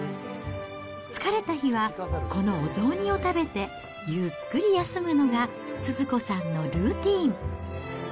疲れた日は、このお雑煮を食べて、ゆっくり休むのがスズ子さんのルーティン。